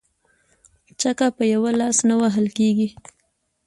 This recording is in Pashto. ـ چکه په يوه لاس نه وهل کيږي.